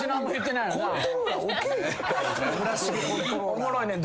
おもろいねん。